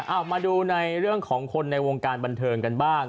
เอามาดูในเรื่องของคนในวงการบันเทิงกันบ้าง